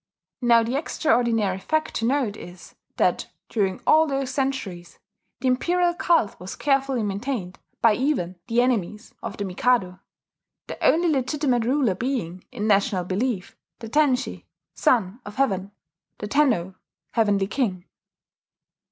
Now the extraordinary fact to note is that, during all those centuries, the imperial cult was carefully maintained by even the enemies of the Mikado; the only legitimate ruler being, in national belief, the Tenshi, "Son of Heaven," the Tenno, "Heavenly King."